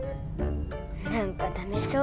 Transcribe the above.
なんかダメそう。